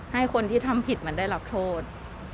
ให้คนที่ทำผิดมันได้รับโทษ